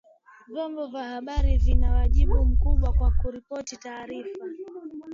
Vyombo vya habari vina wajibu mkubwa wa kuripoti taarifa